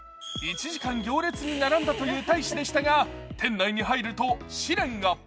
１時間行列に並んだという大使でしたが店内に入ると試練が。